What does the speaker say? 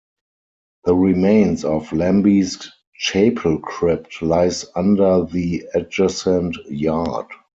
The remains of 'Lambe's Chapel Crypt', lies under the adjacent yard.